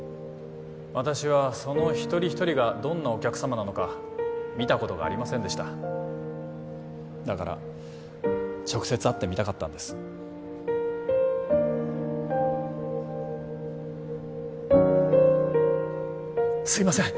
私はその一人一人がどんなお客様なのか見たことがありませんでしただから直接会ってみたかったんですすいません